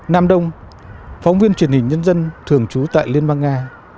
nam đông phóng viên truyền hình nhân dân thường trú tại liên bang nga